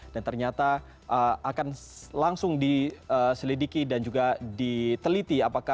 dan ternyata akan langsung diselidiki dan juga diteliti